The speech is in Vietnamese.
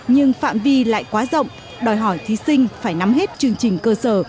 nhưng phạm vi lại quá rộng đòi hỏi thí sinh phải nắm hết chương trình cơ sở